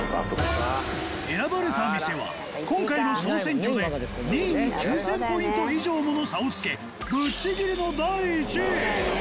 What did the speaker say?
選ばれた店は今回の総選挙で２位に９０００ポイント以上もの差をつけぶっちぎりの第１位